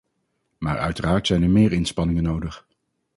Maar uiteraard zijn er meer inspanningen nodig.